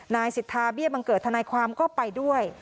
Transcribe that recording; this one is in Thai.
นายสิทธาเบี้ยบังเกิดทนายความก็ไปด้วย